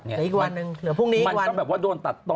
เหลืออีกวันนึงเหลือพรุ่งนี้อีกวันมันก็แบบว่าโดนตัดต่อ